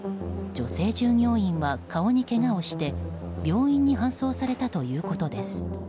女性従業員は顔にけがをして病院に搬送されたということです。